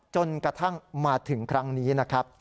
จนกระทั่งมาถึงครั้งนี้นะครับ